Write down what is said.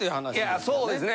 いやそうですね。